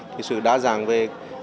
thì sự đa dạng về